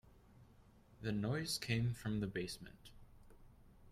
The noise came from the basement.